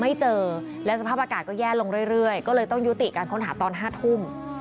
ไม่เจอและสภาพอากาศก็แย่ลงเรื่อยก็เลยต้องยุติการค้นหาตอน๕ทุ่ม